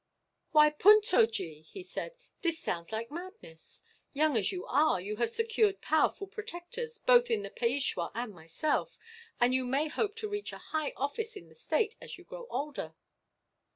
"Why, Puntojee," he said, "this sounds like madness. Young as you are, you have secured powerful protectors, both in the Peishwa and myself; and you may hope to reach a high office in the state, as you grow older.